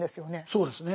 そうですね。